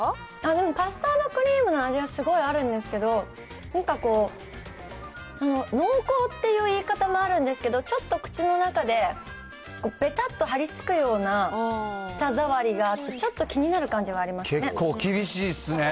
でもカスタードクリームの味はすごいあるんですけど、なんかこう、濃厚っていう言い方もあるんですけど、ちょっと口の中でべたっと張り付くような舌触りがあって、ちょっ結構厳しいっすね。